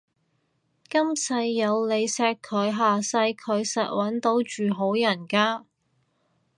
今世有你錫佢，下世佢實搵到住好人家